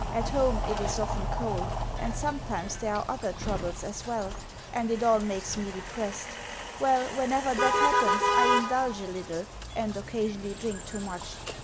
At home it is often cold, and sometimes there are other troubles as well, and it all makes me depressed. Well, whenever that happens, I indulge a little, and occasionally drink too much.